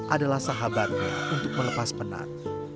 adalah sahabatnya untuk melepas penat